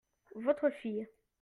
Votre fille.